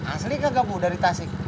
asli kak gak bu dari tasik